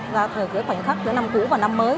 do thời gian khoảnh khắc giữa năm cũ và năm mới